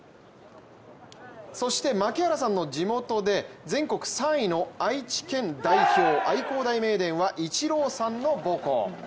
そして槙原さんの地元で全国３位の愛知県代表愛工大名電はイチローさんの母校。